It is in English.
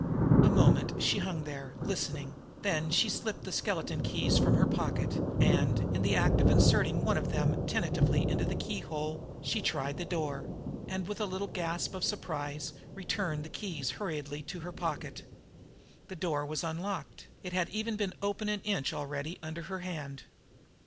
A moment she hung there, listening; then she slipped the skeleton keys from her pocket, and, in the act of inserting one of them tentatively into the keyhole, she tried the door and with a little gasp of surprise returned the keys hurriedly to her pocket. The door was unlocked; it had even opened an inch already under her hand.